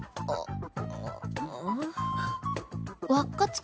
あっ。